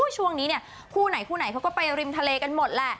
ช่วงนี้เนี่ยคู่ไหนคู่ไหนเขาก็ไปริมทะเลกันหมดแหละ